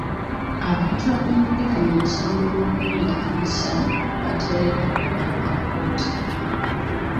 Abantu abeenyigira mu musango gw'okumenya ekkanisa baateereddwa ku kakalu ka kkooti.